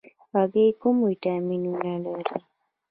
هګۍ کوم ویټامینونه لري؟